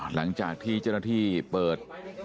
หลังจากที่เจ้าหน้าที่เปิด